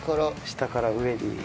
下から上に。